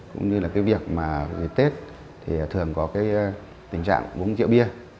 cũng như là cái việc mà về tết thì thường có cái tình trạng uống rượu bia